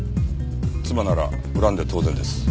妻なら恨んで当然です。